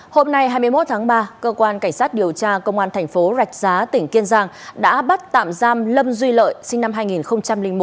hôm nay hai mươi một tháng ba cơ quan cảnh sát điều tra công an thành phố rạch giá tỉnh kiên giang đã bắt tạm giam lâm duy lợi sinh năm hai nghìn một